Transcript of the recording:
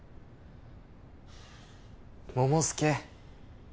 桃介。